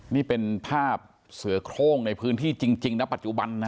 นี่เป็นภาพเสือโครงในพื้นที่จริงนะปัจจุบันนะ